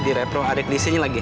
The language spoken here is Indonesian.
di repro adek disini lagi